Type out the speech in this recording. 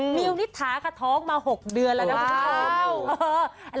มิวนิษฐาค่ะท้องมา๖เดือนแล้วนะคุณผู้ชม